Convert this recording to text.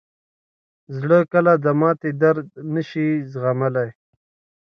زړه کله د ماتې درد نه شي زغملی.